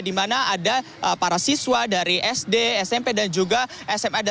di mana ada para siswa dari sd smp dan juga sma